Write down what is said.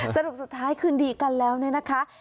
สรุปสุดท้ายคืนดีกันแล้วเนี่ยนะคะ